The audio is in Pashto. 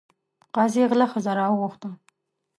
قاضي غله ښځه راوغوښته.